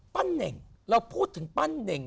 เน่งเราพูดถึงปั้นเน่ง